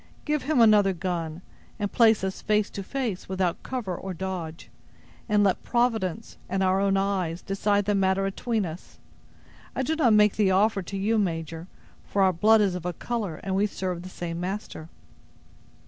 Give him another gun, and place us face to face, without cover or dodge, and let Providence, and our own eyes, decide the matter atween us! I do not make the offer, to you, major; for our blood is of a color, and we serve the same master."